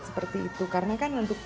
seperti itu karena kan untuk